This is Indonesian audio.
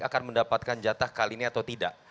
akan mendapatkan jatah kali ini atau tidak